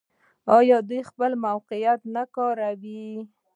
آیا دوی خپل موقعیت نه کاروي؟